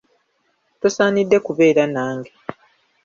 Tosaanidde kubeera nange.